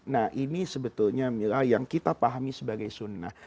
nah ini sebetulnya mila yang kita pahami sebagai sunnah